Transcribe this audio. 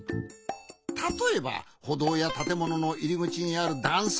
たとえばほどうやたてもののいりぐちにあるだんさ。